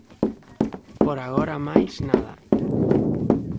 Por agora máis nada.